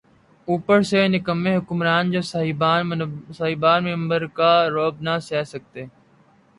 اوپر سے نکمّے حکمران‘ جو صاحبان منبر کا رعب نہ سہہ سکتے۔